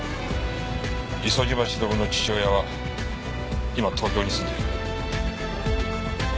磯島忍の父親は今東京に住んでる。